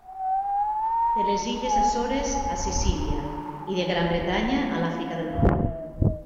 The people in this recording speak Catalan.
De les Illes Açores a Sicília i de Gran Bretanya a l'Àfrica del nord.